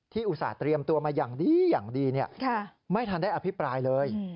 อุตส่าหเตรียมตัวมาอย่างดีอย่างดีไม่ทันได้อภิปรายเลย